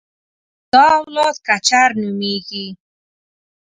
دا اولاد کچر نومېږي.